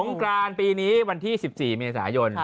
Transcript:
กรานปีนี้วันที่๑๔เมษายน